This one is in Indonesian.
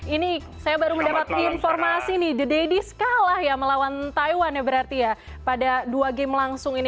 ini saya baru mendapat informasi nih the daddies kalah ya melawan taiwan ya berarti ya pada dua game langsung ini